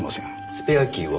スペアキーは？